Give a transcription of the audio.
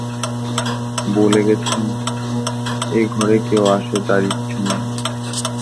বলে গেছেন, এ ঘরে কেউ আসে তাঁর ইচ্ছে নয়।